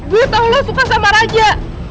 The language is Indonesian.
gue tau lo suka sama raja